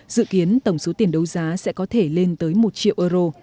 dự kiến tổng số tiền đấu giá sẽ có thể lên tới một triệu euro